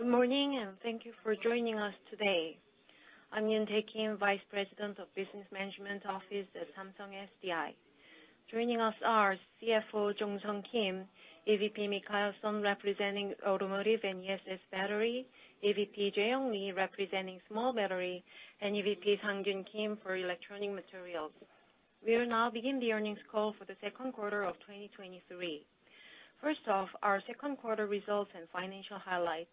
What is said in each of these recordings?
Good morning. Thank you for joining us today. I'm Yoontae Kim, Vice President of Business Management Office at Samsung SDI. Joining us are CFO Jong Sung Kim, EVP Michael Son, representing Automotive & ESS Battery, EVP Jae-young Lee, representing Small Battery, and EVP Sang-kyun Kim for Electronic Materials. We'll now begin the earnings call for the second quarter of 2023. First off, our second quarter results and financial highlights.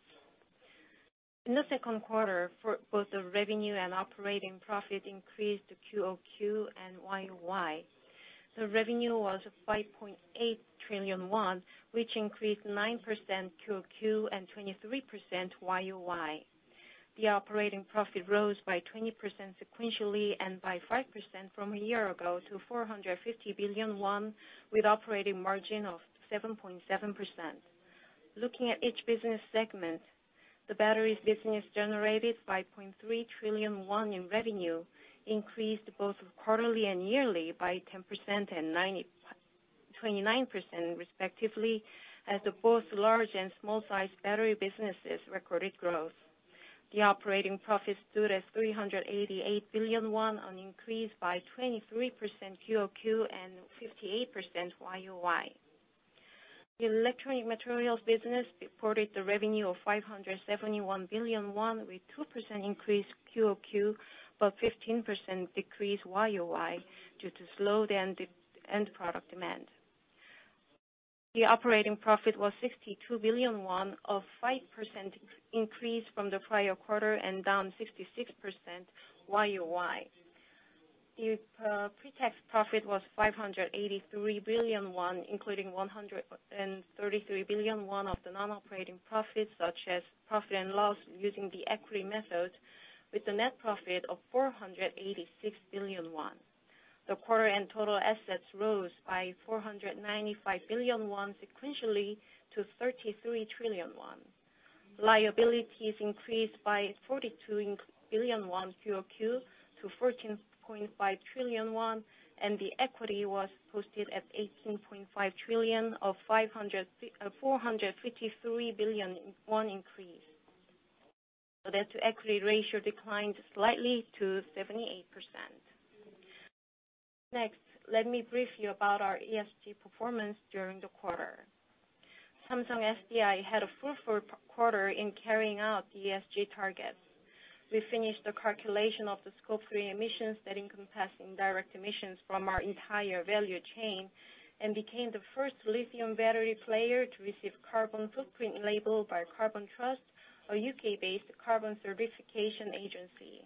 In the second quarter, for both the revenue and operating profit increased to QOQ and YOY. The revenue was 5.8 trillion won, which increased 9% QOQ and 23% YOY. The operating profit rose by 20% sequentially and by 5% from a year ago to 450 billion won, with operating margin of 7.7%. Looking at each business segment, the batteries business generated by 0.3 trillion won in revenue, increased both quarterly and yearly by 10% and 29% respectively, as the both large and small size battery businesses recorded growth. The operating profit stood at 388 billion won, an increase by 23% QOQ and 58% YOY. The electronic materials business reported the revenue of 571 billion won, with 2% increase QOQ, but 15% decrease YOY, due to slow down the end product demand. The operating profit was 62 billion won, a 5% increase from the prior quarter and down 66% YOY. The pre-tax profit was 583 billion won, including 133 billion won of the non-operating profits, such as profit and loss, using the equity method, with the net profit of 486 billion won. The quarter and total assets rose by 495 billion won sequentially to 33 trillion won. Liabilities increased by 42 billion won QOQ to 14.5 trillion won. The equity was posted at 18.5 trillion of 453 billion increase. That equity ratio declined slightly to 78%. Next, let me brief you about our ESG performance during the quarter. Samsung SDI had a fruitful quarter in carrying out the ESG targets. We finished the calculation of the Scope 3 emissions that encompass indirect emissions from our entire value chain and became the first lithium battery player to receive Carbon Footprint Label by Carbon Trust, a UK-based carbon certification agency.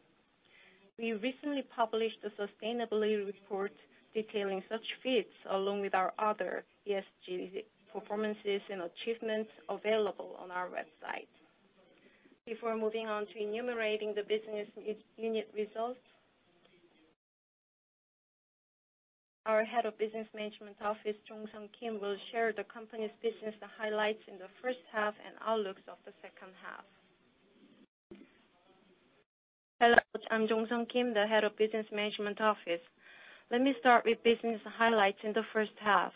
We recently published a sustainability report detailing such feats, along with our other ESG performances and achievements available on our website. Before moving on to enumerating the business unit results, our Head of Business Management Office, Jong Sung Kim, will share the company's business highlights in the first half and outlooks of the second half. Hello, I'm Jong Sung Kim, the Head of Business Management Office. Let me start with business highlights in the first half.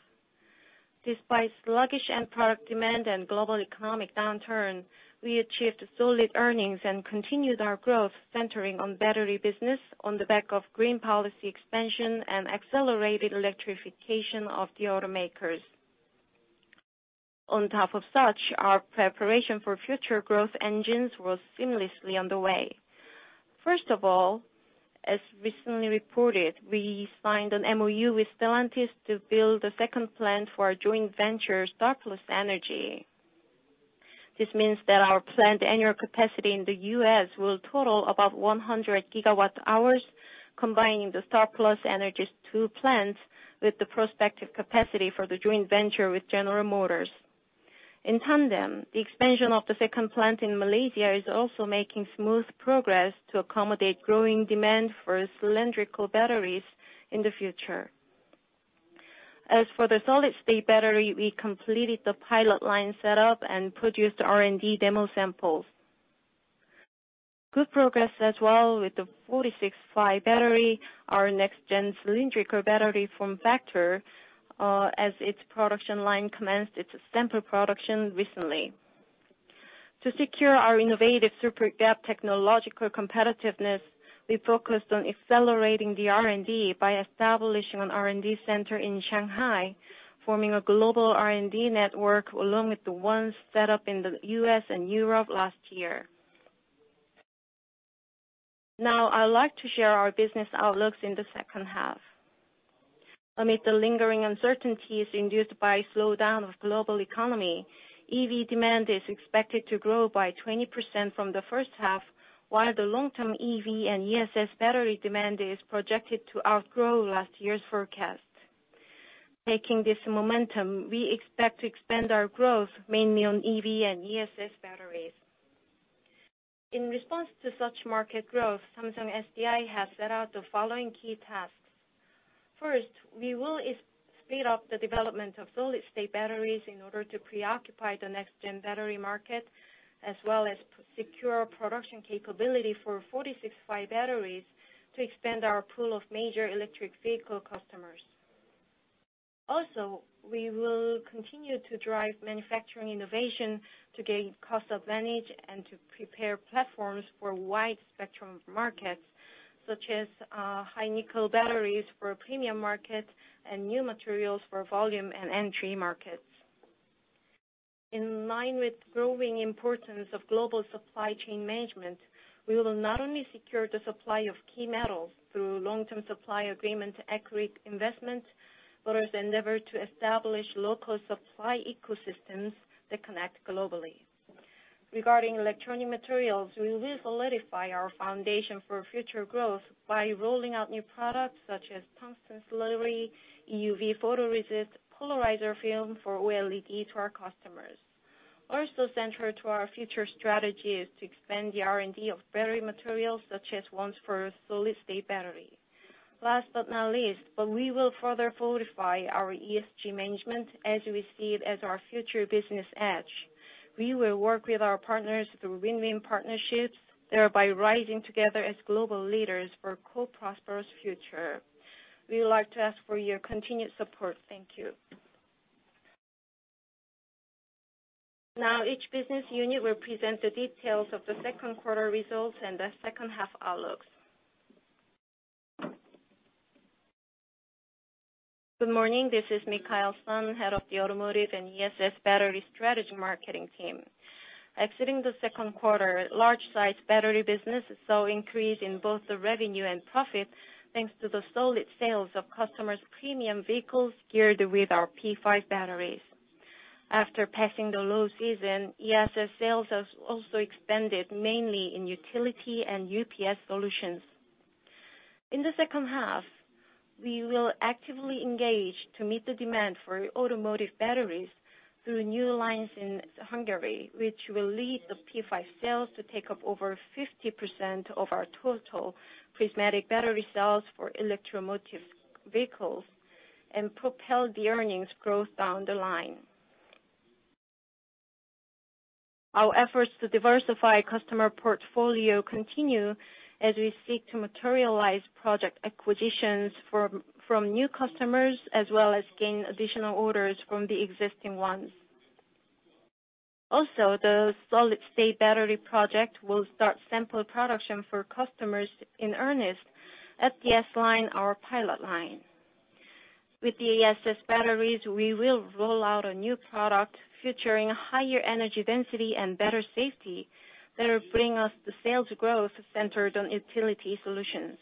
Despite sluggish end product demand and global economic downturn, we achieved solid earnings and continued our growth centering on battery business on the back of green policy expansion and accelerated electrification of the automakers. On top of such, our preparation for future growth engines was seamlessly on the way. First of all, as recently reported, we signed an MOU with Stellantis to build a second plant for our joint venture, StarPlus Energy. This means that our planned annual capacity in the U.S. will total about 100 GWh, combining the StarPlus Energy's two plants with the prospective capacity for the joint venture with General Motors. In tandem, the expansion of the second plant in Malaysia is also making smooth progress to accommodate growing demand for cylindrical batteries in the future. As for the solid-state battery, we completed the pilot line setup and produced R&D demo samples. Good progress as well with the 46-phi battery, our next-gen cylindrical battery form factor, as its production line commenced its sample production recently. To secure our innovative super gap technological competitiveness, we focused on accelerating the R&D by establishing an R&D center in Shanghai, forming a global R&D network, along with the ones set up in the U.S. and Europe last year. Now, I'd like to share our business outlooks in the second half. Amid the lingering uncertainties induced by slowdown of global economy, EV demand is expected to grow by 20% from the first half, while the long-term EV and ESS battery demand is projected to outgrow last year's forecast. Taking this momentum, we expect to expand our growth mainly on EV and ESS batteries. In response to such market growth, Samsung SDI has set out the following key tasks. First, we will speed up the development of solid-state batteries in order to preoccupy the next-gen battery market, as well as secure production capability for 46-phi batteries to expand our pool of major electric vehicle customers. We will continue to drive manufacturing innovation to gain cost advantage and to prepare platforms for a wide spectrum of markets, such as high-nickel batteries for premium markets and new materials for volume and entry markets. In line with growing importance of global supply chain management, we will not only secure the supply of key metals through long-term supply agreement to accurate investment, but also endeavor to establish local supply ecosystems that connect globally. Regarding electronic materials, we will solidify our foundation for future growth by rolling out new products such as Tungsten Slurry, EUV photoresist, Polarizer Film for OLED to our customers. Also central to our future strategy is to expand the R&D of battery materials, such as ones for solid-state battery. Last but not least, but we will further fortify our ESG management as we see it as our future business edge. We will work with our partners through win-win partnerships, thereby rising together as global leaders for a co-prosperous future. We would like to ask for your continued support. Thank you. Now, each business unit will present the details of the second quarter results and the second half outlooks. Good morning, this is Michael Son, head of the Automotive and ESS Battery Strategy Marketing team. Exceeding the second quarter, large site battery business saw increase in both the revenue and profit, thanks to the solid sales of customers' premium vehicles geared with our P5 batteries. After passing the low season, ESS sales has also expanded, mainly in utility and UPS solutions. In the second half, we will actively engage to meet the demand for automotive batteries through new lines in Hungary, which will lead the P5 sales to take up over 50% of our total prismatic battery cells for electromotive vehicles and propel the earnings growth down the line. Our efforts to diversify customer portfolio continue as we seek to materialize project acquisitions from new customers, as well as gain additional orders from the existing ones. Also, the solid-state battery project will start sample production for customers in earnest at the S line, our pilot line. With the ESS batteries, we will roll out a new product featuring higher energy density and better safety that will bring us the sales growth centered on utility solutions.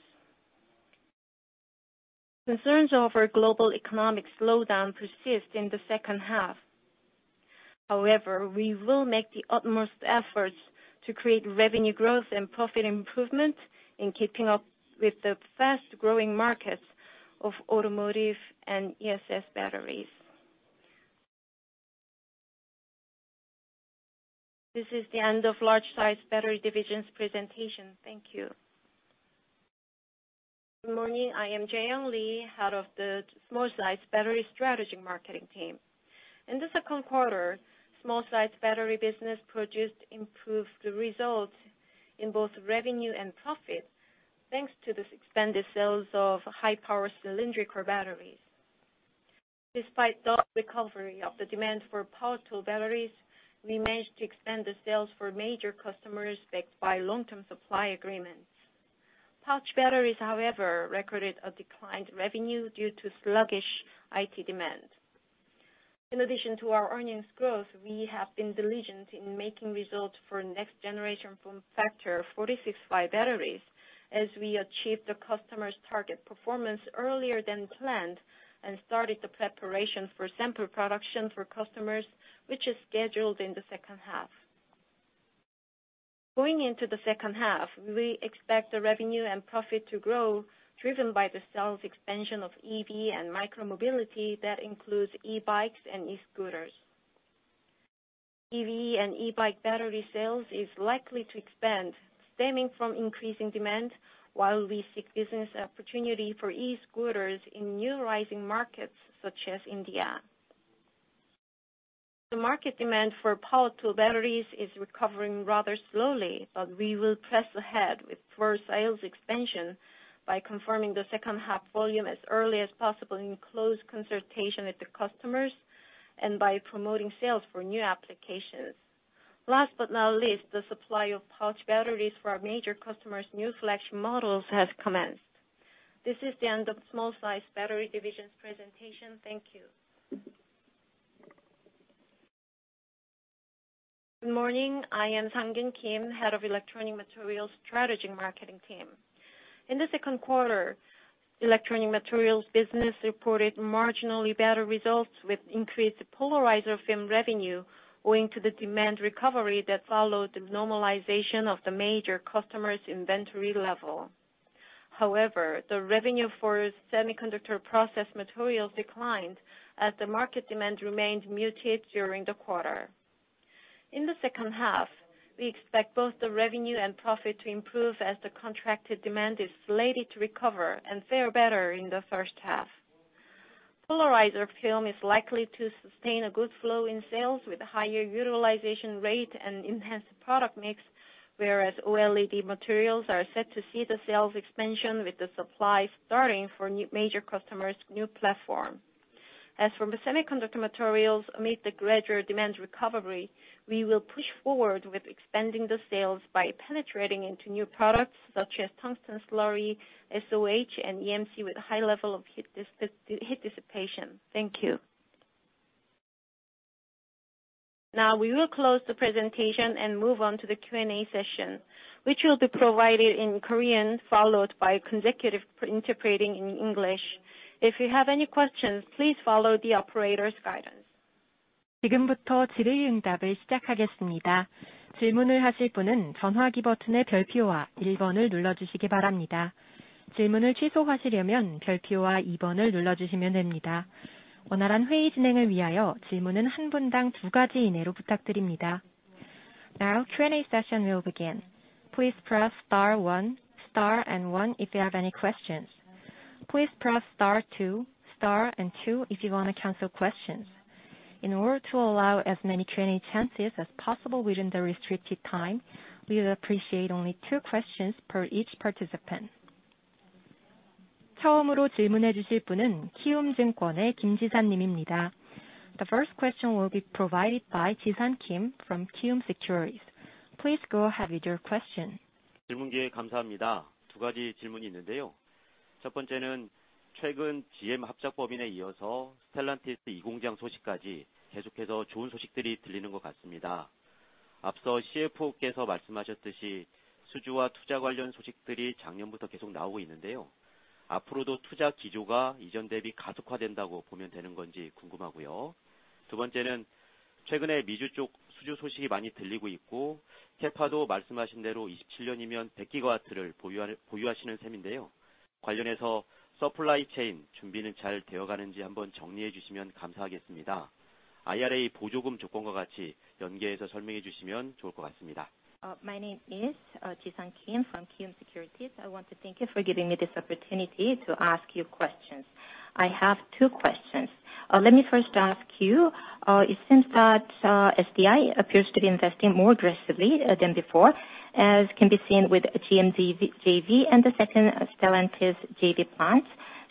Concerns over global economic slowdown persist in the second half. We will make the utmost efforts to create revenue growth and profit improvement in keeping up with the fast-growing markets of Automotive & ESS Battery. This is the end of large-size battery division's presentation. Thank you. Good morning, I am Jae-young Lee, Head of the Small-Sized Battery Strategy Marketing Team. In the second quarter, small-sized battery business produced improved results in both revenue and profit, thanks to the expanded sales of high-power cylindrical batteries. Despite the recovery of the demand for power tool batteries, we managed to expand the sales for major customers backed by long-term supply agreements. Pouch batteries, however, recorded a declined revenue due to sluggish IT demand. In addition to our earnings growth, we have been diligent in making results for next generation form factor 46-phi batteries, as we achieved the customer's target performance earlier than planned and started the preparation for sample production for customers, which is scheduled in the second half. Going into the second half, we expect the revenue and profit to grow, driven by the sales expansion of EV and micro mobility, that includes e-bikes and e-scooters. EV and e-bike battery sales is likely to expand, stemming from increasing demand, while we seek Business Opportunity for e-scooters in new rising markets, such as India. The market demand for power tool batteries is recovering rather slowly, but we will press ahead with poor sales expansion by confirming the second half volume as early as possible in close consultation with the customers and by promoting sales for new applications. Last but not least, the supply of pouch batteries for our major customers' new flagship models has commenced. This is the end of small-sized battery division's presentation. Thank you. Good morning, I am Sang-kyun Kim, head of Electronic Materials Strategy Marketing Team. In the second quarter, electronic materials business reported marginally better results with increased Polarizer Film revenue, owing to the demand recovery that followed the normalization of the major customers' inventory level. However, the revenue for semiconductor process materials declined, as the market demand remained muted during the quarter. In the second half, we expect both the revenue and profit to improve as the contracted demand is slated to recover and fare better in the first half. Polarizer Film is likely to sustain a good flow in sales, with higher utilization rate and enhanced product mix, whereas OLED materials are set to see the sales expansion, with the supply starting for new major customers' new platform. As for the semiconductor materials, amid the gradual demand recovery, we will push forward with expanding the sales by penetrating into new products such as Tungsten Slurry, SOH, and EMC with high level of heat dissipation. Thank you. Now, we will close the presentation and move on to the Q&A session, which will be provided in Korean, followed by consecutive interpreting in English. If you have any questions, please follow the operator's guidance. Now Q&A session will begin. Please press star one, star and one if you have any questions. Please press star two, star and two if you want to cancel questions. In order to allow as many Q&A chances as possible within the restricted time, we would appreciate only two questions per each participant. The first question will be provided by Ji-San Kim from Kiwoom Securities. Please go ahead with your question. My name is Ji-San Kim from Kiwoom Securities. I want to thank you for giving me this opportunity to ask you questions. I have two questions. Let me first ask you, it seems that SDI appears to be investing more aggressively than before, as can be seen with GM JV and the second Stellantis JV plant.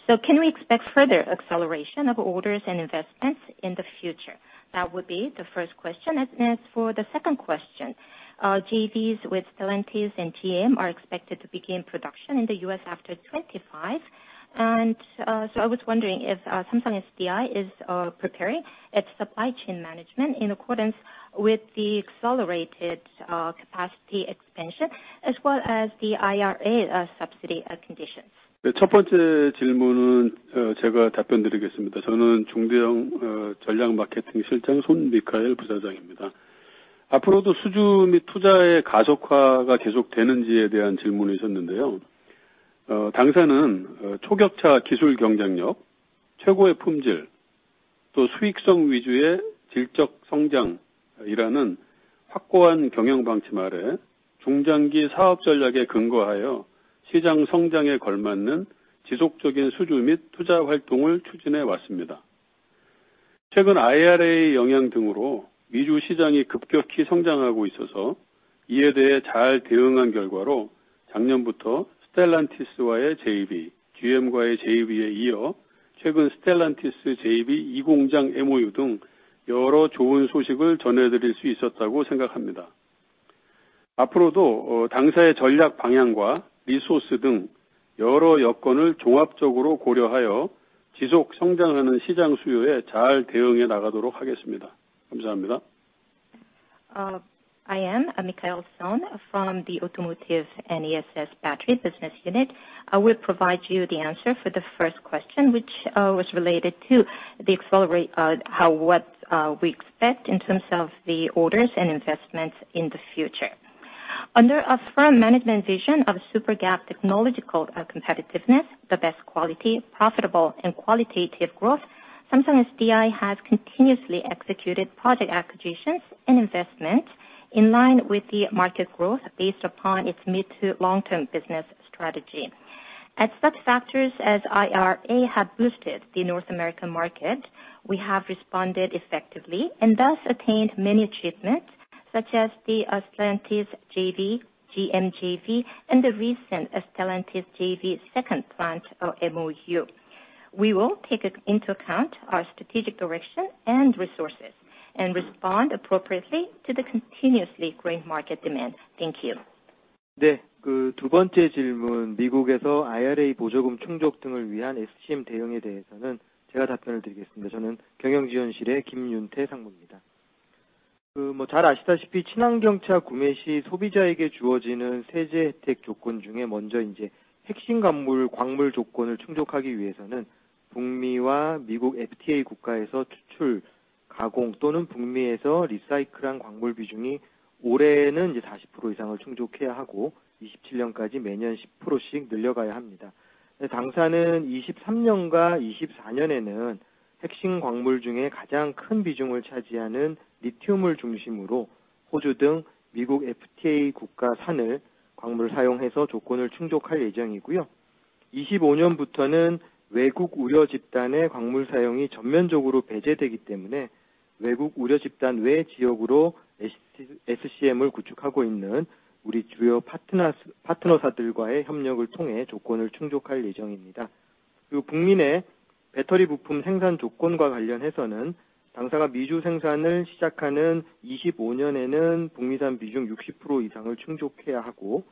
Can we expect further acceleration of orders and investments in the future? That would be the first question. As for the second question, JVs with Stellantis and GM are expected to begin production in the U.S. after 25. I was wondering if Samsung SDI is preparing its supply chain management in accordance with the accelerated capacity expansion as well as the IRA subsidy conditions. I am Michael Son from the Automotive and ESS Battery Business Unit. I will provide you the answer for the first question, which was related to the accelerate, how, what we expect in terms of the orders and investments in the future. Under a firm management vision of super gap technological competitiveness, the best quality, profitable and qualitative growth, Samsung SDI has continuously executed project acquisitions and investments in line with the market growth, based upon its mid to long-term business strategy. As such factors as IRA have boosted the North American market, we have responded effectively and thus attained many achievements, such as the Stellantis JV, GM JV, and the recent Stellantis JV second plant MOU. We will take into account our strategic direction and resources and respond appropriately to the continuously growing market demand. Thank you. The second question is about the IRA subsidy in the U.S. I will answer that. I am Kim Yuntae from the Management Support Room. As you well know, among the tax benefits given to consumers when purchasing eco-friendly vehicles, in order to meet the core mineral conditions, the proportion of minerals extracted, processed, or recycled in North America or from FTA countries with the US must meet more than 40% this year, and increase by 10% each year until 2027. The company plans to meet the conditions by using minerals from Australia and other FTA countries with the US, with lithium, which accounts for the largest proportion of core minerals, in 2023 and 2024. Starting in 2025, the use of minerals from foreign right groups will be completely excluded, so we will actively secure minerals from North America and FTA countries with the US in advance.... 외국 우려 집단 외 지역으로 에시, SCM을 구축하고 있는 우리 주요 파트너사들과의 협력을 통해 조건을 충족할 예정입니다. 북미 내 배터리 부품 생산 조건과 관련해서는 당사가 미주 생산을 시작하는 2025년에는 북미산 비중 60% 이상을 충족해야 하고,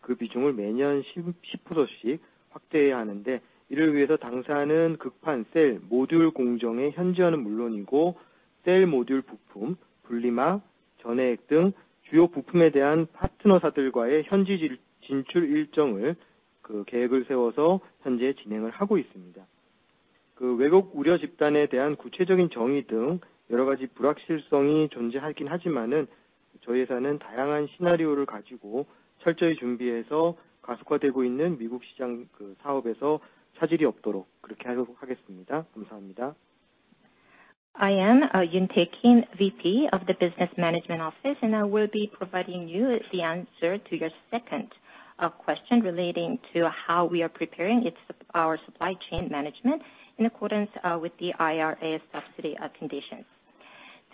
그 비중을 매년 10%씩 확대해야 하는데, 이를 위해서 당사는 극판 셀 모듈 공정의 현지화는 물론이고, 셀 모듈 부품, 분리막, 전해액 등 주요 부품에 대한 파트너사들과의 현지 진출 일정을 그 계획을 세워서 현재 진행을 하고 있습니다. 외국 우려 집단에 대한 구체적인 정의 등 여러가지 불확실성이 존재하긴 하지만 저희 회사는 다양한 시나리오를 가지고 철저히 준비해서 가속화되고 있는 미국 시장 그 사업에서 차질이 없도록 그렇게 하려고 하겠습니다. 감사합니다. I am Yoontae Kim, VP of the Business Management Office, I will be providing you the answer to your second question relating to how we are preparing our supply chain management in accordance with the IRA subsidy conditions.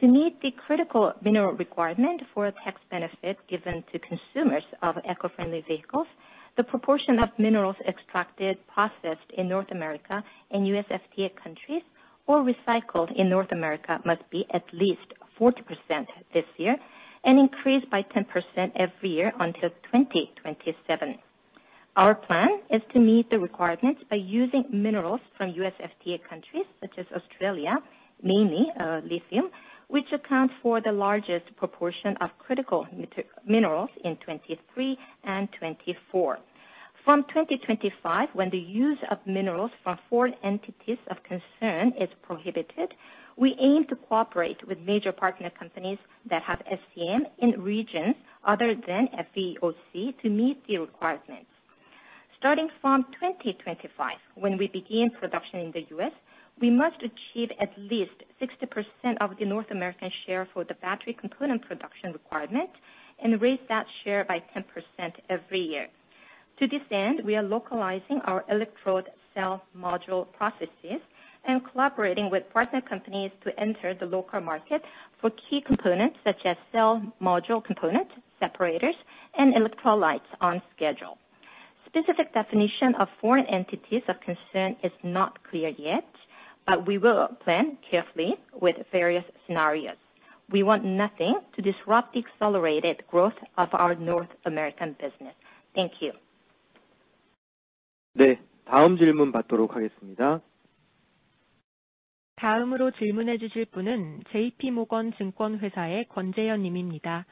To meet the critical mineral requirement for a tax benefit given to consumers of eco-friendly vehicles, the proportion of minerals extracted processed in North America and USFTA countries or recycled in North America must be at least 40% this year and increase by 10% every year until 2027. Our plan is to meet the requirements by using minerals from USFTA countries such as Australia, mainly lithium, which account for the largest proportion of critical minerals in 2023 and 2024. From 2025, when the use of minerals from Foreign Entities of Concern is prohibited, we aim to cooperate with major partner companies that have SCM in regions other than FEOC, to meet the requirements. Starting from 2025, when we begin production in the U.S., we must achieve at least 60% of the North American share for the battery component production requirement and raise that share by 10% every year. To this end, we are localizing our electrode cell module processes and collaborating with partner companies to enter the local market for key components, such as cell module components, separators, and electrolytes on schedule. Specific definition of Foreign Entities of Concern is not clear yet, we will plan carefully with various scenarios. We want nothing to disrupt the accelerated growth of our North American business. Thank you! 네, 다음 질문 받도록 하겠습니다. 다음으로 질문해 주실 분은 JP 모건 증권회사의 권재현 님입니다.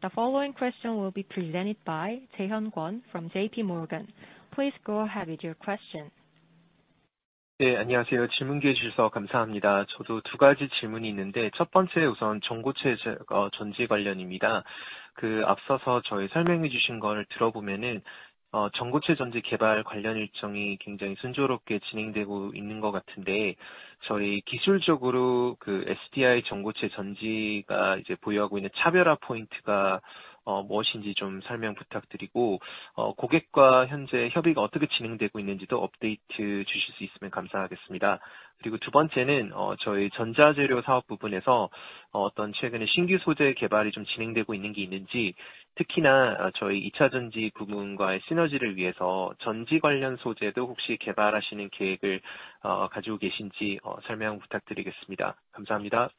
The following question will be presented by Jaehyun Kwon from JP Morgan. Please go ahead with your question. 네, 안녕하세요. 질문 기회 주셔서 감사합니다. 저도 두 가지 질문이 있는데, 첫 번째 우선 전고체 전지 관련입니다. 그 앞서서 저희 설명해 주신 거를 들어보면은, 전고체 전지 개발 관련 일정이 굉장히 순조롭게 진행되고 있는 것 같은데, 저희 기술적으로 그 SDI 전고체 전지가 이제 보유하고 있는 차별화 포인트가, 무엇인지 좀 설명 부탁드리고, 고객과 현재 협의가 어떻게 진행되고 있는지도 업데이트 주실 수 있으면 감사하겠습니다. 그리고 두 번째는, 저희 전자재료 사업 부문에서 어떤 최근에 신규 소재 개발이 좀 진행되고 있는 게 있는지, 특히나 저희 이차전지 부문과의 시너지를 위해서 전지 관련 소재도 혹시 개발하시는 계획을, 가지고 계신지, 설명 부탁드리겠습니다. 감사합니다.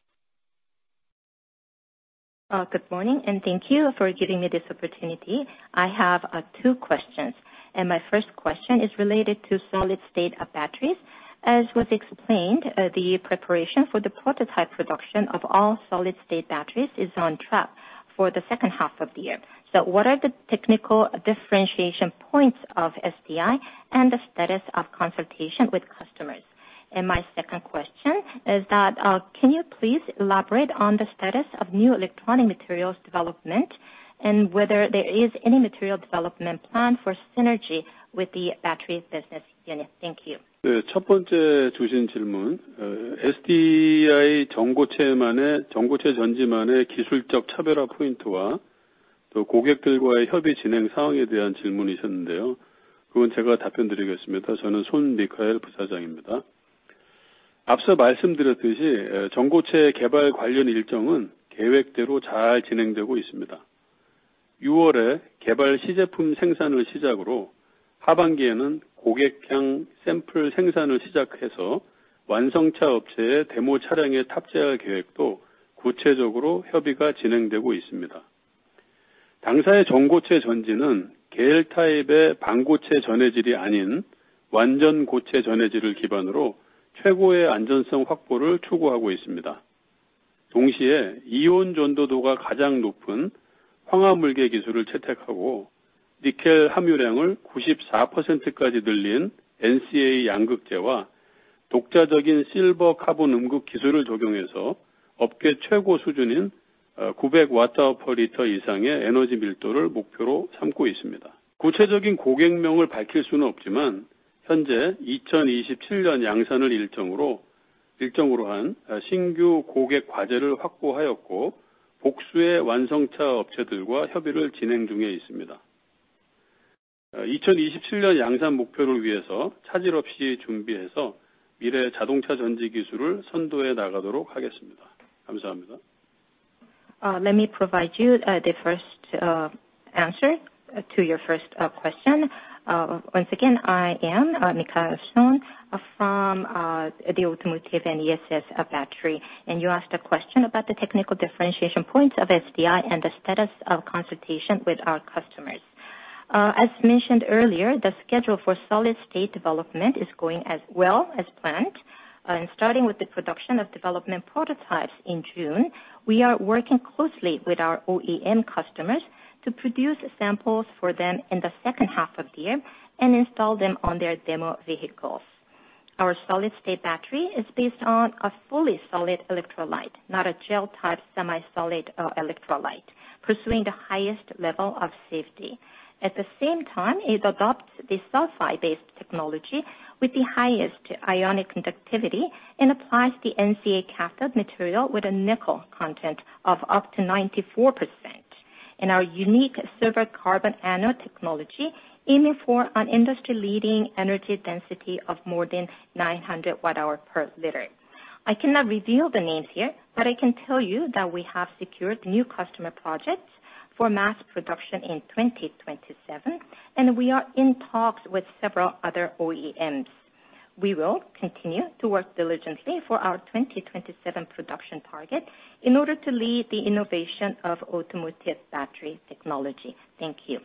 Good morning, thank you for giving me this opportunity. I have two questions, my first question is related to solid-state batteries. As was explained, the preparation for the prototype production of all-solid-state batteries is on track for the second half of the year. What are the technical differentiation points of SDI and the status of consultation with customers? My second question is that, can you please elaborate on the status of new electronic materials development and whether there is any material development plan for synergy with the Battery Business Unit? Thank you. 네, 첫 번째 주신 질문. uh, SDI 전고체만의, 전고체 전지만의 기술적 차별화 포인트와 또 고객들과의 협의 진행 사항에 대한 질문이셨는데요. 그건 제가 답변드리겠습니다. 저는 손미카엘 부사장입니다. 앞서 말씀드렸듯이, 에, 전고체 개발 관련 일정은 계획대로 잘 진행되고 있습니다. 유월에 개발 시제품 생산을 시작으로, 하반기에는 고객향 샘플 생산을 시작해서 완성차 업체의 데모 차량에 탑재할 계획도 구체적으로 협의가 진행되고 있습니다. 당사의 전고체 전지는 겔 타입의 반고체 전해질이 아닌 완전 고체 전해질을 기반으로 최고의 안전성 확보를 추구하고 있습니다. 동시에 이온 전도도가 가장 높은 황화물계 기술을 채택하고, 니켈 함유량을 구십사퍼센트까지 늘린 NCA 양극재와 독자적인 실버 카본 음극 기술을 적용해서 업계 최고 수준인, 어, 구백 와트아워 퍼리터 이상의 에너지 밀도를 목표로 삼고 있습니다. 구체적인 고객명을 밝힐 수는 없지만, 현재 이천이십칠년 양산을 일정으로, 일정으로 한 신규 고객 과제를 확보하였고, 복수의 완성차 업체들과 협의를 진행 중에 있습니다.... Uh, twenty twenty-seven year 목표를 위해서 차질 없이 준비해서 미래 자동차 전지 기술을 선도해 나가도록 하겠습니다. 감사합니다. Let me provide you the first answer to your first question. Once again, I am Michael Son from the Automotive & ESS Battery, you asked a question about the technical differentiation points of SDI and the status of consultation with our customers. As mentioned earlier, the schedule for solid-state development is going as well as planned, starting with the production of development prototypes in June, we are working closely with our OEM customers to produce samples for them in the second half of the year and install them on their demo vehicles. Our solid-state battery is based on a fully solid electrolyte, not a gel type semi-solid electrolyte, pursuing the highest level of safety. At the same time, it adopts the sulfide-based technology with the highest ionic conductivity and applies the NCA cathode material with a nickel content of up to 94%. In our unique silicon carbon anode technology, aiming for an industry-leading energy density of more than 900 watt-hour per liter. I cannot reveal the names here, but I can tell you that we have secured new customer projects for mass production in 2027, and we are in talks with several other OEMs. We will continue to work diligently for our 2027 production target in order to lead the innovation of automotive battery technology. Thank you.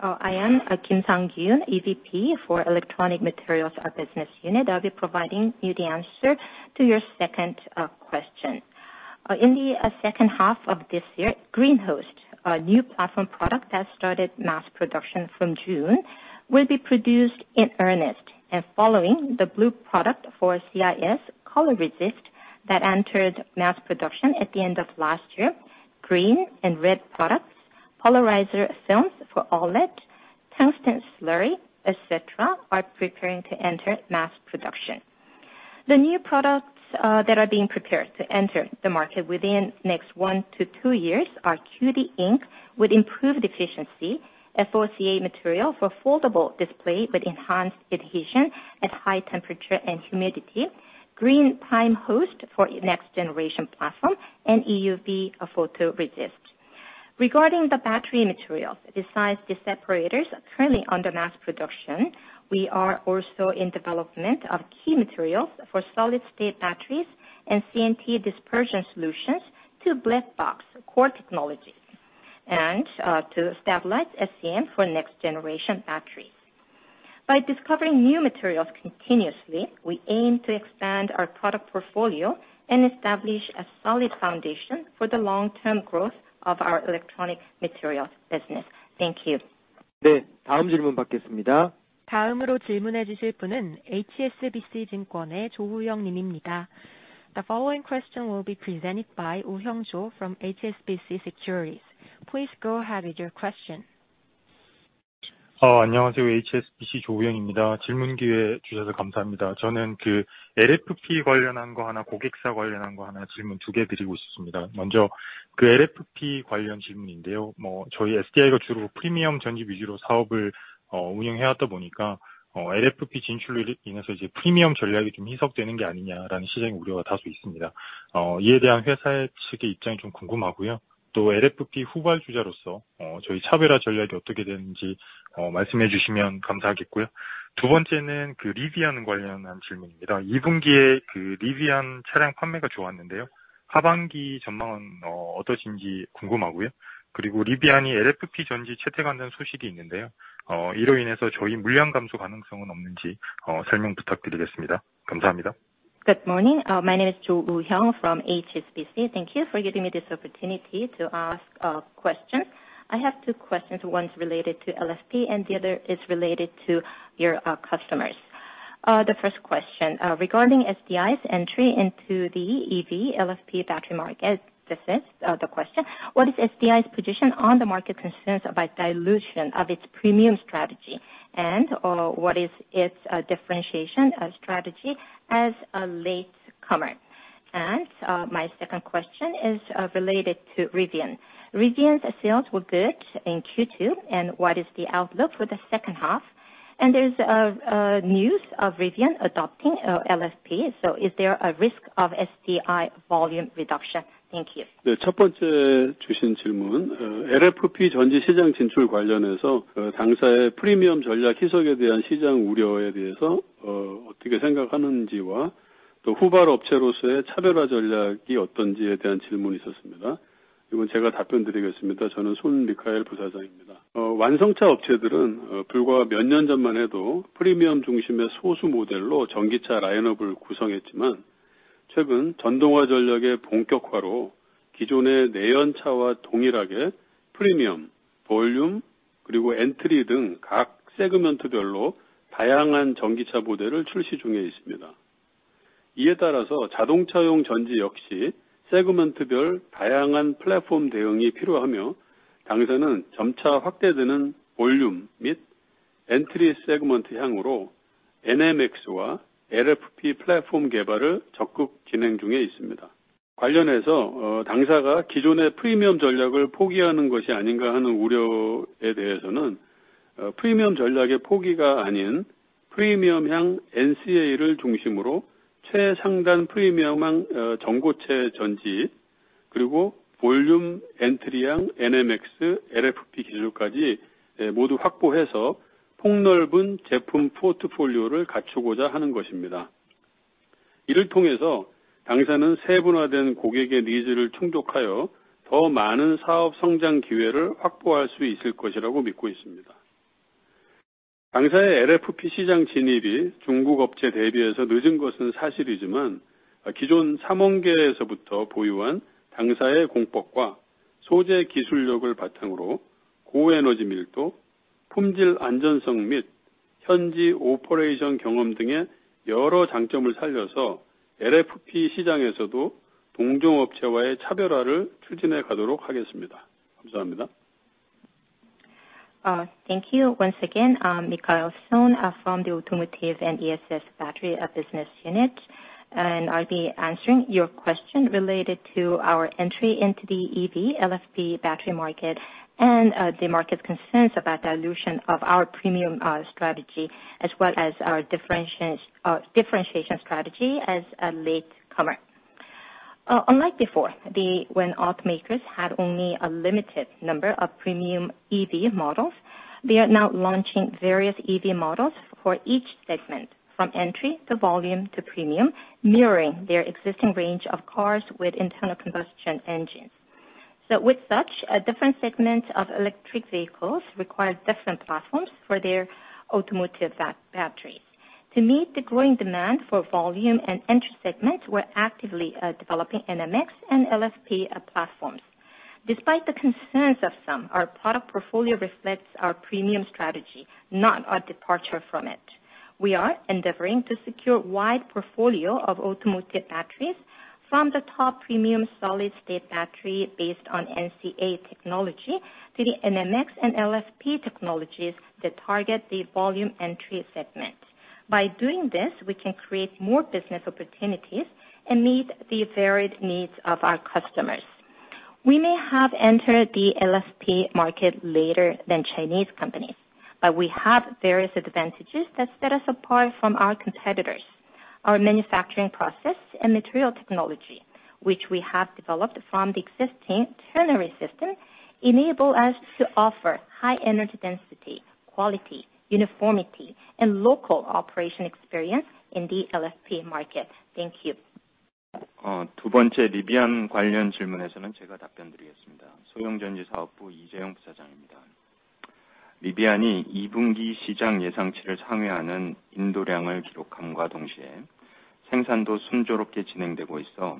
I am Kim Sang Yoon, EVP for Electronic Materials, our business unit. I'll be providing you the answer to your second question. In the second half of this year, Green Host, a new platform product that started mass production from June, will be produced in earnest. Following the blue product for CIS Color Resist that entered mass production at the end of last year, green and red products, Polarizer Film for OLED, Tungsten Slurry, et cetera, are preparing to enter mass production. The new products that are being prepared to enter the market within next one to two years are QD Ink, with improved efficiency, FOCA material for foldable display with enhanced adhesion at high temperature and humidity, Green Prime Host for next generation platform, and EUV photoresist. Regarding the battery materials, besides the separators currently under mass production, we are also in development of key materials for solid-state batteries and CNT dispersion solutions to black box core technologies, and to stabilize SCM for next generation batteries. By discovering new materials continuously, we aim to expand our product portfolio and establish a solid foundation for the long-term growth of our Electronic Materials business. Thank you. The 다음 질문 받겠습니다. 다음으로 질문해 주실 분은 HSBC 증권의 조우영 님입니다. The following question will be presented by Woo Hyung-Jo from HSBC Securities. Please go ahead with your question. 안녕하세요. HSBC, Woo Hyung-jo입니다. 질문 기회 주셔서 감사합니다. 저는 LFP 관련한 거 하나, 고객사 관련한 거 하나, 질문 2개 드리고 있었습니다. 먼저 LFP 관련 질문인데요. 저희 SDI가 주로 프리미엄 전집 위주로 사업을 운영해 왔다 보니까, LFP 진출로 인해서 이제 프리미엄 전략이 좀 희석되는 게 아니냐라는 시장의 우려가 다소 있습니다. 이에 대한 회사 측의 입장이 좀 궁금하고요. 또 LFP 후발주자로서, 저희 차별화 전략이 어떻게 되는지 말씀해 주시면 감사하겠고요. 두 번째는 Rivian 관련한 질문입니다. 이 분기에 Rivian 차량 판매가 좋았는데요, 하반기 전망은 어떠신지 궁금하고요. Rivian이 LFP 전지 채택한다는 소식이 있는데요, 이로 인해서 저희 물량 감소 가능성은 없는지 설명 부탁드리겠습니다. 감사합니다. Good morning. My name is Jo Woo Hyung from HSBC. Thank you for giving me this opportunity to ask questions. I have two questions. One is related to LFP and the other is related to your customers. The first question, regarding SDI's entry into the EV LFP battery market, this is the question: What is SDI's position on the market concerns about dilution of its premium strategy? What is its differentiation strategy as a latecomer? My second question is related to Rivian. Rivian's sales were good in Q2, and what is the outlook for the second half? There's a news of Rivian adopting LFP. Is there a risk of SDI volume reduction? Thank you. Thank you once again. Michael Son from the Automotive and ESS Battery Business Unit, I'll be answering your question related to our entry into the EV LFP battery market, the market concerns about dilution of our premium strategy, as well as our differentiation strategy as a latecomer. Unlike before, when automakers had only a limited number of premium EV models, they are now launching various EV models for each segment, from entry, to volume, to premium, mirroring their existing range of cars with internal combustion engines. With such, a different segment of electric vehicles require different platforms for their automotive batteries. To meet the growing demand for volume and entry segments, we're actively developing NMX and LFP platforms. Despite the concerns of some, our product portfolio reflects our premium strategy, not our departure from it. We are endeavoring to secure wide portfolio of automotive batteries from the top premium solid-state battery based on NCA technology, to the NMX and LFP technologies that target the volume entry segment. By doing this, we can create more business opportunities and meet the varied needs of our customers. We may have entered the LFP market later than Chinese companies, but we have various advantages that set us apart from our competitors. Our manufacturing process and material technology, which we have developed from the existing ternary system, enable us to offer high energy density, quality, uniformity, and local operation experience in the LFP market. Thank you. Uh,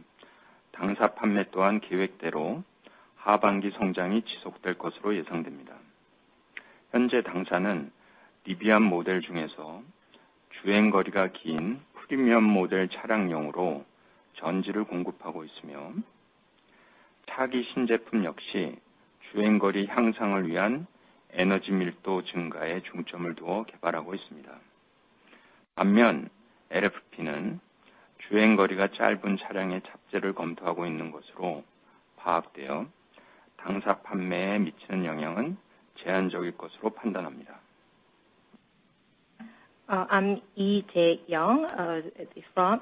I'm Jae-young Lee,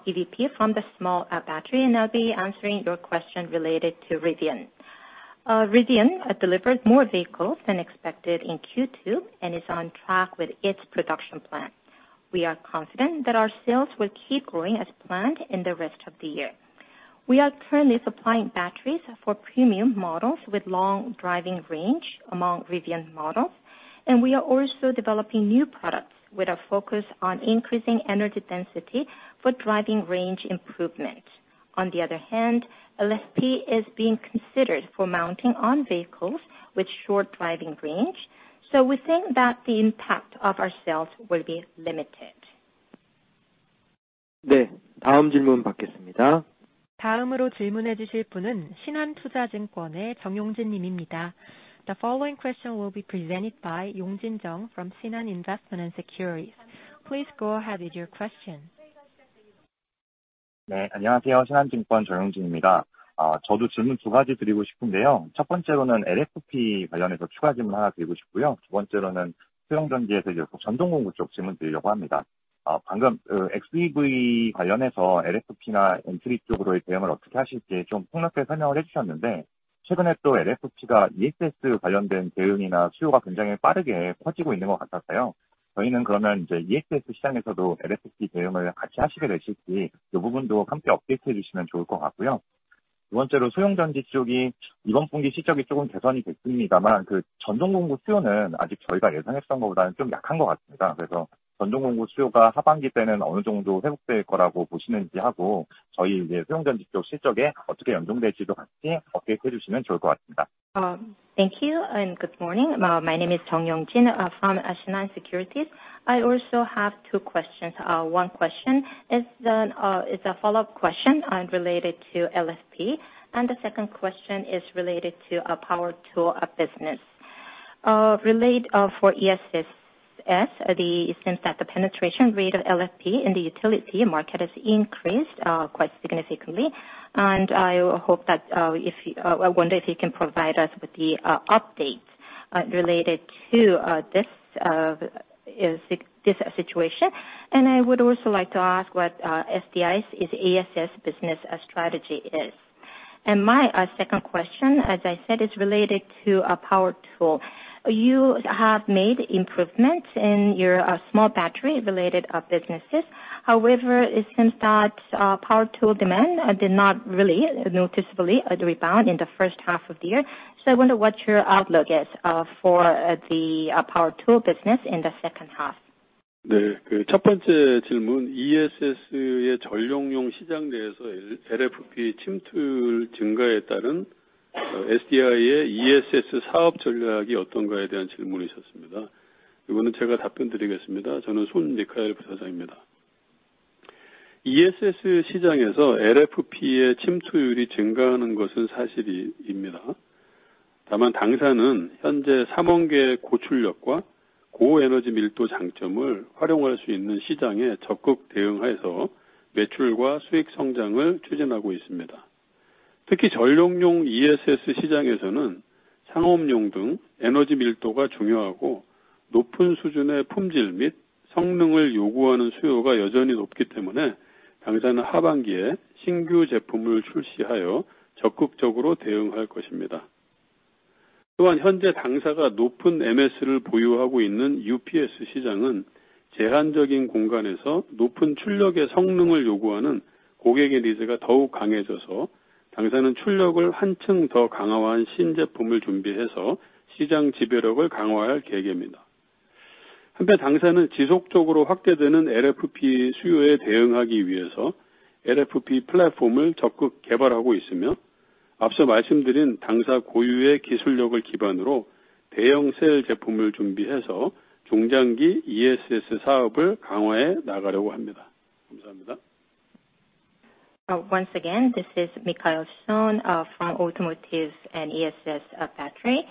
EVP, from the Small Battery, I'll be answering your question related to Rivian. Rivian delivered more vehicles than expected in Q2, is on track with its production plan. We are confident that our sales will keep growing as planned in the rest of the year. We are currently supplying batteries for premium models with long driving range among Rivian models, we are also developing new products with a focus on increasing energy density for driving range improvement. On the other hand, LFP is being considered for mounting on vehicles with short driving range, we think that the impact of our sales will be limited. The following question will be presented by Yong-jin Jeong from Shinhan Investment & Securities. Please go ahead with your question. 네, 안녕하세요? 신한증권 정영진입니다. 아, 저도 질문 두 가지 드리고 싶은데요. 첫 번째로는 LFP 관련해서 추가 질문 하나 드리고 싶고요. 두 번째로는 소형 전기에서 이제 전동공구 쪽 질문 드리려고 합니다. 아, 방금, 어, XEV 관련해서 LFP나 M3 쪽으로의 대응을 어떻게 하실지 좀 폭넓게 설명을 해 주셨는데, 최근에 또 LFP가 ESS 관련된 대응이나 수요가 굉장히 빠르게 커지고 있는 것 같아서요. 저희는 그러면 이제 ESS 시장에서도 LFP 대응을 같이 하시게 되실지, 이 부분도 함께 업데이트 해 주시면 좋을 것 같고요. 두 번째로 소형 전지 쪽이 이번 분기 실적이 조금 개선이 됐습니다만, 그 전동공구 수요는 아직 저희가 예상했던 것보다는 좀 약한 것 같습니다. 그래서 전동공구 수요가 하반기 때는 어느 정도 회복될 거라고 보시는지 하고, 저희 이제 소형 전지 쪽 실적에 어떻게 연동될지도 같이 업데이트 해 주시면 좋을 것 같습니다. Thank you and good morning. My name is Jeong Yong-jin from Shinhan Securities. I also have two questions. One question is a follow-up question on related to LFP, and the second question is related to power tool of business. For ESS, since the penetration rate of LFP in the utility market has increased quite significantly, and I hope that I wonder if you can provide us with the update related to this situation? I would also like to ask what SDI's ESS business strategy is. My second question, as I said, is related to a power tool. You have made improvements in your small battery related businesses. It seems that power tool demand did not really noticeably rebound in the first half of the year. I wonder what your outlook is for the power tool business in the second half? 그첫 번째 질문, ESS의 전용용 시장 내에서 LFP 침투율 증가에 따른 SDI의 ESS 사업 전략이 어떤가에 대한 질문이셨습니다. 이거는 제가 답변드리겠습니다. 저는 Michael Son Executive Vice President입니다. ESS 시장에서 LFP의 침투율이 증가하는 것은 사실입니다. 당사는 현재 ternary system의 고출력과 고에너지 밀도 장점을 활용할 수 있는 시장에 적극 대응하여서 매출과 수익 성장을 추진하고 있습니다. 특히 전용용 ESS 시장에서는 상업용 등 에너지 밀도가 중요하고, 높은 수준의 품질 및 성능을 요구하는 수요가 여전히 높기 때문에, 당사는 하반기에 신규 제품을 출시하여 적극적으로 대응할 것입니다. 현재 당사가 높은 MS를 보유하고 있는 UPS 시장은 제한적인 공간에서 높은 출력의 성능을 요구하는 고객의 니즈가 더욱 강해져서, 당사는 출력을 한층 더 강화한 신제품을 준비해서 시장 지배력을 강화할 계획입니다. 당사는 지속적으로 확대되는 LFP 수요에 대응하기 위해서 LFP 플랫폼을 적극 개발하고 있으며, 앞서 말씀드린 당사 고유의 기술력을 기반으로 대형 셀 제품을 준비해서 중장기 ESS 사업을 강화해 나가려고 합니다. 감사합니다. Once again, this is Michael Son, from Automotive & ESS Battery.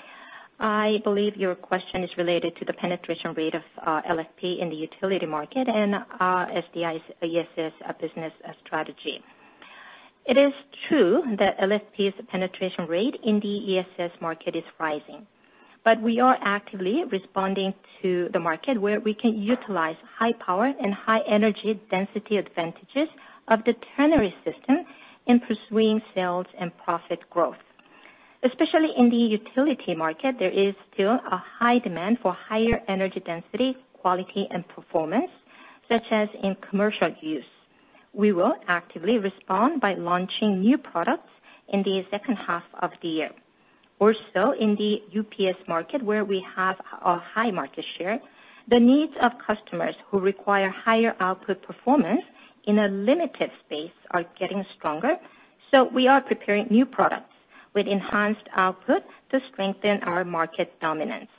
I believe your question is related to the penetration rate of LFP in the utility market and SDI's ESS business strategy. It is true that LFP's penetration rate in the ESS market is rising. We are actively responding to the market, where we can utilize high power and high energy density advantages of the ternary system in pursuing sales and profit growth. Especially in the utility market, there is still a high demand for higher energy density, quality and performance, such as in commercial use. We will actively respond by launching new products in the second half of the year. In the UPS market, where we have a high market share, the needs of customers who require higher output performance in a limited space are getting stronger. We are preparing new products with enhanced output to strengthen our market dominance.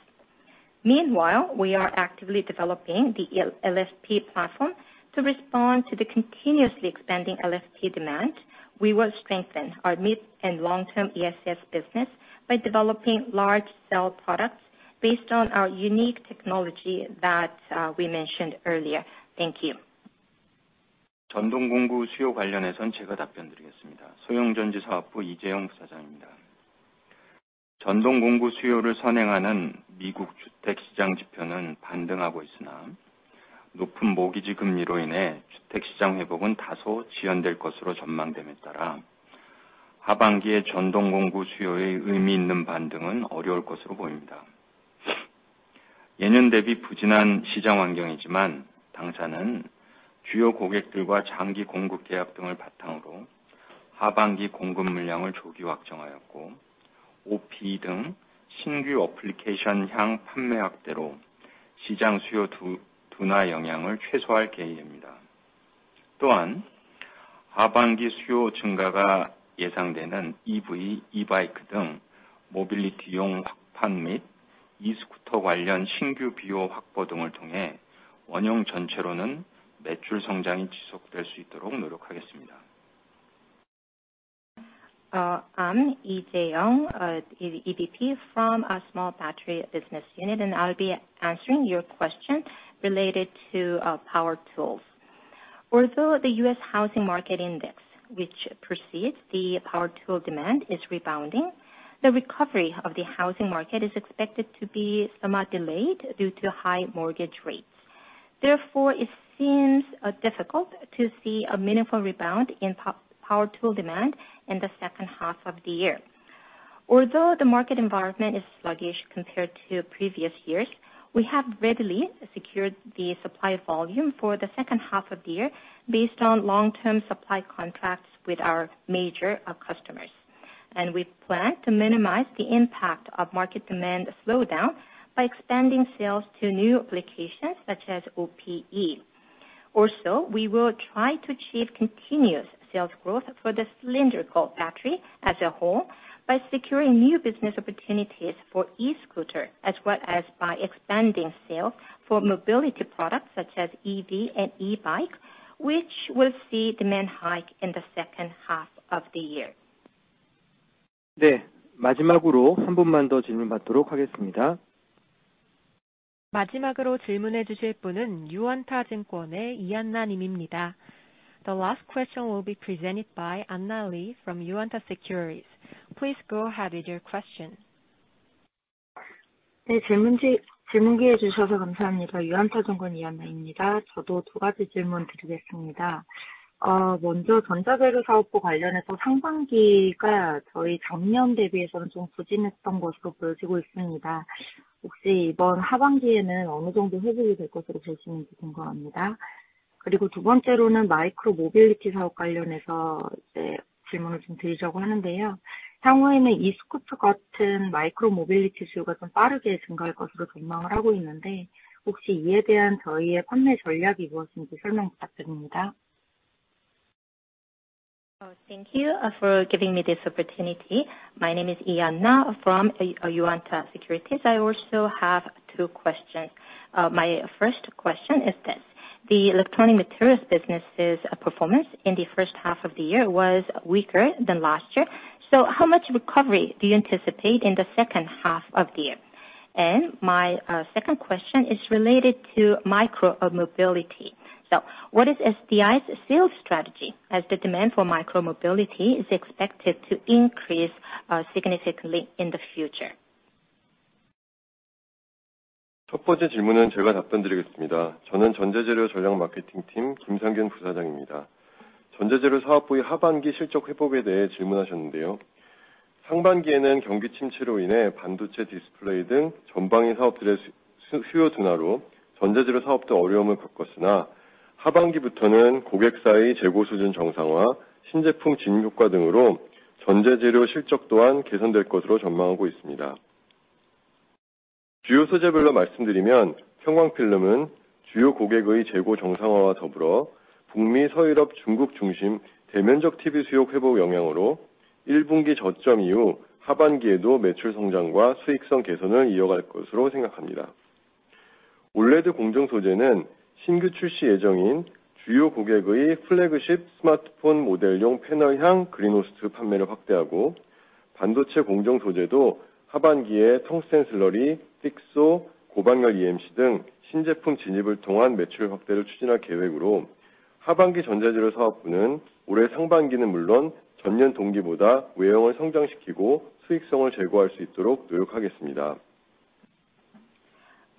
Meanwhile, we are actively developing the LFP platform to respond to the continuously expanding LFP demand. We will strengthen our mid and long-term ESS business by developing large cell products based on our unique technology that we mentioned earlier. Thank you. 전동공구 수요 관련해서는 제가 답변드리겠습니다. 소형전지 사업부 이재용 부사장입니다. 전동공구 수요를 선행하는 미국 주택시장 지표는 반등하고 있으나, 높은 모기지 금리로 인해 주택시장 회복은 다소 지연될 것으로 전망됨에 따라, 하반기에 전동공구 수요의 의미 있는 반등은 어려울 것으로 보입니다. 예년 대비 부진한 시장 환경이지만, 당사는 주요 고객들과 장기 공급 계약 등을 바탕으로 하반기 공급 물량을 조기 확정하였고, OP 등 신규 어플리케이션 향 판매 확대로 시장 수요 두- 둔화 영향을 최소화할 계획입니다. 또한, 하반기 수요 증가가 예상되는 EV, E- バイク등 모빌리티용 확판 및 E-스쿠터 관련 신규 비호 확보 등을 통해 원형 전체로는 매출 성장이 지속될 수 있도록 노력하겠습니다. I'm Jae-young Lee, EBP from a Small Battery Business Unit, I'll be answering your question related to power tools. Although the U.S. housing market index, which precedes the power tool demand, is rebounding, the recovery of the housing market is expected to be somewhat delayed due to high mortgage rates. It seems difficult to see a meaningful rebound in power tool demand in the second half of the year. Although the market environment is sluggish compared to previous years, we have readily secured the supply volume for the second half of the year based on long-term supply contracts with our major customers. We plan to minimize the impact of market demand slowdown by expanding sales to new applications such as OPE. We will try to achieve continuous sales growth for the cylindrical battery as a whole by securing new business opportunities for e-scooter, as well as by expanding sales for mobility products such as EV and e-bike, which will see demand hike in the second half of the year. The last question will be presented by Anna Lee from Yuanta Securities. Please go ahead with your question. Thank you for giving me this opportunity. My name is Ian Na from Yuanta Securities. I also have two questions. My first question is this: The electronic materials business's performance in the first half of the year was weaker than last year. How much recovery do you anticipate in the second half of the year? My second question is related to micro mobility. What is SDI's sales strategy, as the demand for micro-mobility is expected to increase significantly in the future?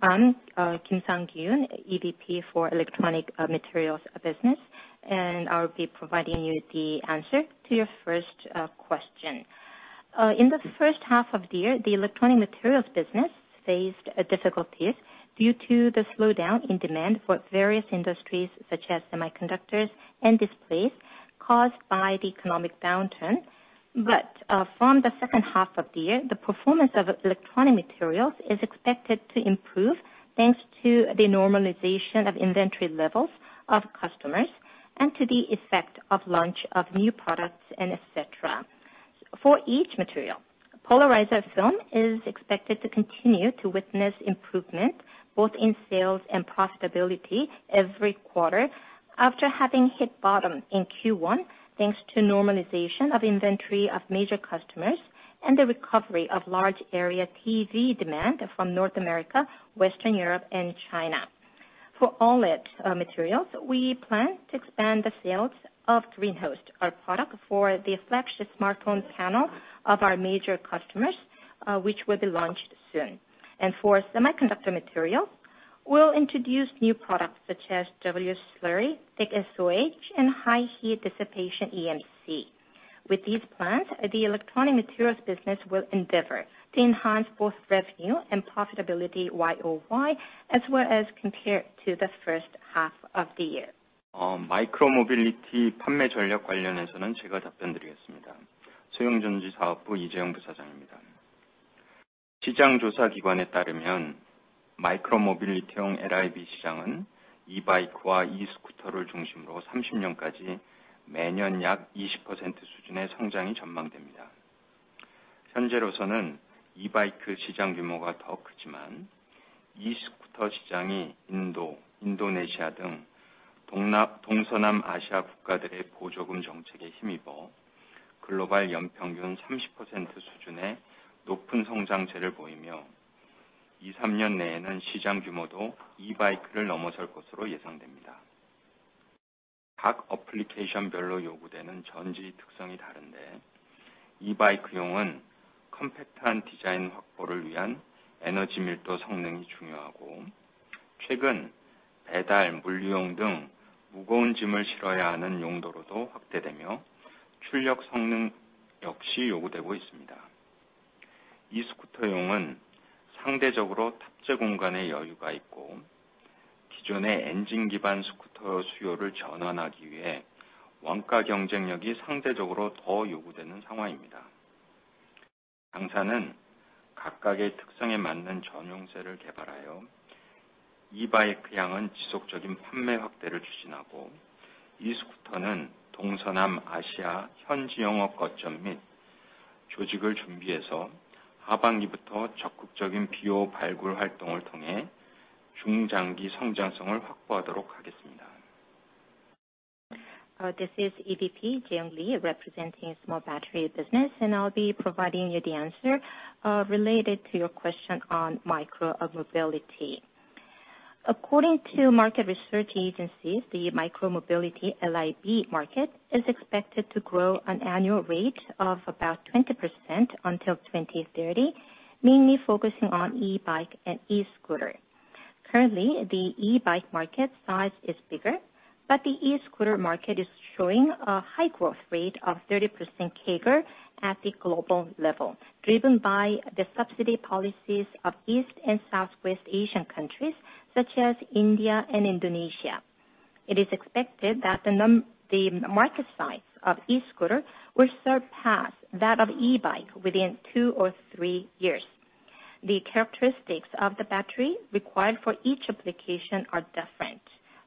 I'm Kim Sang-kyun, EBP for Electronic Materials business, and I'll be providing you the answer to my first question. In the first half of the year, the electronic materials business faced difficulties due to the slowdown in demand for various industries, such as semiconductors and displays, caused by the economic downturn. From the second half of the year, the performance of electronic materials is expected to improve, thanks to the normalization of inventory levels of customers and to the effect of launch of new products, and et cetera. For each material, Polarizer Film is expected to continue to witness improvement both in sales and profitability every quarter after having hit bottom in Q1, thanks to normalization of inventory of major customers and the recovery of large area TV demand from North America, Western Europe and China. For OLED materials, we plan to expand the sales of Green Host, our product for the flagship smartphone panel of our major customers, which will be launched soon. For semiconductor materials, we'll introduce new products such as W Slurry, Thick SOH, and High Heat Dissipation EMC. With these plans, the electronic materials business will endeavor to enhance both revenue and profitability Y-o-Y, as well as compared to the first half of the year. micro mobility. 현재로서는 e-bike 시장 규모가 더 크지만, e-scooter 시장이 인도, 인도네시아 등 동남, 동서남아시아 국가들의 보조금 정책에 힘입어 글로벌 연평균 30% 수준의 높은 성장세를 보이며, 2-3년 내에는 시장 규모도 e-bike를 넘어설 것으로 예상됩니다. 각 어플리케이션별로 요구되는 전지 특성이 다른데, e-bike용은 컴팩트한 디자인 확보를 위한 에너지 밀도 성능이 중요하고, 최근 배달, 물류용 등 무거운 짐을 실어야 하는 용도로도 확대되며, 출력 성능 역시 요구되고 있습니다. e-scooter용은 상대적으로 탑재 공간의 여유가 있고, 기존의 엔진 기반 스쿠터 수요를 전환하기 위해 원가 경쟁력이 상대적으로 더 요구되는 상황입니다. 당사는 각각의 특성에 맞는 전용셀을 개발하여 e-bike향은 지속적인 판매 확대를 추진하고, e-scooter는 동서남아시아 현지 영업 거점 및 조직을 준비해서 하반기부터 적극적인 BO 발굴 활동을 통해 중장기 성장성을 확보하도록 하겠습니다. This is EVP Jae-young Lee, representing Small Battery Business, and I'll be providing you the answer related to your question on micro mobility. According to market research agencies, the micro-mobility LIB market is expected to grow an annual rate of about 20% until 2030, mainly focusing on e-bike and e-scooter. Currently, the e-bike market size is bigger, but the e-scooter market is showing a high growth rate of 30% CAGR at the global level, driven by the subsidy policies of East and Southwest Asian countries such as India and Indonesia. It is expected that the market size of e-scooter will surpass that of e-bike within two or three years. The characteristics of the battery required for each application are different.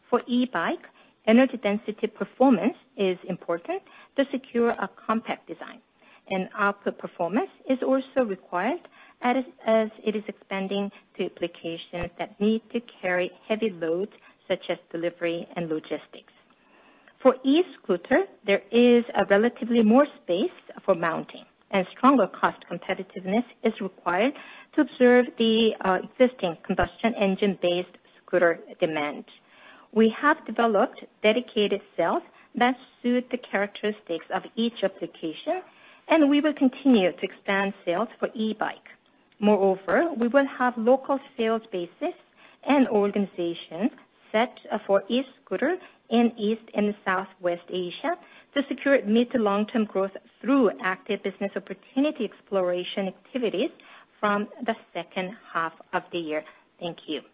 For e-bike, energy density performance is important to secure a compact design, and output performance is also required as it is expanding to applications that need to carry heavy loads, such as delivery and logistics. For e-scooter, there is a relatively more space for mounting, and stronger cost competitiveness is required to observe the existing combustion engine-based scooter demand. We have developed dedicated cells that suit the characteristics of each application, and we will continue to expand sales for e-bike. Moreover, we will have local sales bases and organizations set for e-scooter in East and Southwest Asia to secure mid to long-term growth through active business opportunity exploration activities from the second half of the year. Thank you.